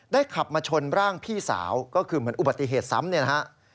ได้ขับมาชนร่างพี่สาวก็คือเหมือนอุบัติเหตุซ้ำ